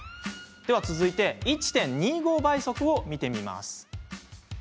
では、続いて１．２５倍速を見てみます。